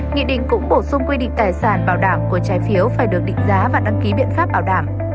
nghị định cũng bổ sung quy định tài sản bảo đảm của trái phiếu phải được định giá và đăng ký biện pháp bảo đảm